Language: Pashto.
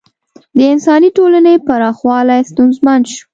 د انساني ټولنې پراخوالی ستونزمن شو.